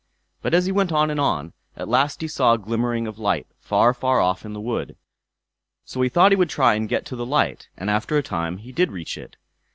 But as he went on and on, at last he saw a glimmering of light far far off in the wood. So he thought he would try and get to the light; and after a time he did reach it.